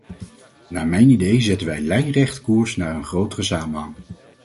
Naar mijn idee zetten wij lijnrecht koers naar een grotere samenhang.